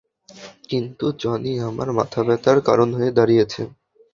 কিন্ত জনি আমার মাথাব্যাথার কারণ হয়ে দাঁড়িয়েছে।